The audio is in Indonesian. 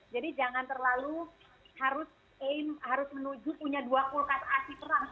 jadi jangan terlalu harus menuju punya dua kulkas aksi perah